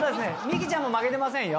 ミキちゃんも負けてませんよ。